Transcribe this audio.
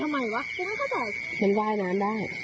มันว่าน้ำเป็นว่ายเก่งด้วย